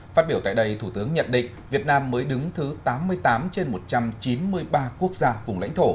phát biểu tại đây thủ tướng nhận định việt nam mới đứng thứ tám mươi tám trên một trăm chín mươi ba quốc gia vùng lãnh thổ